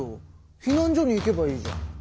避難所に行けばいいじゃん。